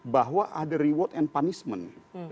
bahwa ada reward and punishment